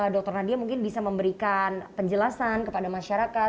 dr nadia mungkin bisa memberikan penjelasan kepada masyarakat